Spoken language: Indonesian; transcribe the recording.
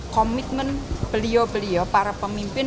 komitmen beliau beliau para pemimpin